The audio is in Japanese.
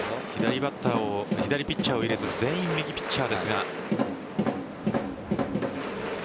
左ピッチャーを入れず全員右ピッチャーですが。